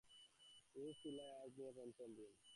রোজ তিলায় আজ নিয়ে পঞ্চম দিন!